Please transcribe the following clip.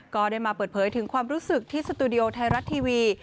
ก็ได้มาเปิดเผยถึงความรู้สึกที่สตูดิโอไทยรัฐทีวี